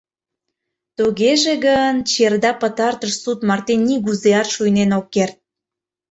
Тыгеже гын, черда пытартыш Суд марте нигузеат шуйнен ок керт.